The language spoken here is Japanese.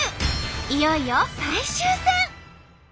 いよいよ最終戦。